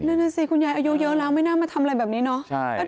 นั่นน่ะสิคุณยายอายุเยอะแล้วไม่น่ามาทำอะไรแบบนี้เนาะ